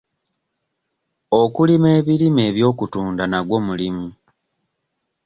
Okulima ebirime eby'okutunda nagwo mulimu.